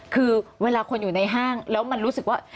คือเวลาคนอยู่ในห้างแล้วมันรู้สึกว่า